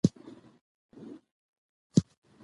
رسوب د افغانانو د تفریح یوه وسیله ده.